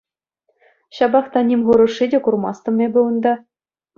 Ҫапах та ним хӑрушши те курмастӑм эпӗ унта.